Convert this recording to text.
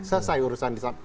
selesai urusan di sana